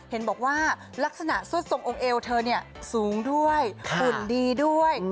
เห็นบอกว่ารักษณะส้นทรงองค์เอวเธอเนี่ยสูงด้วยขุนดีด้วย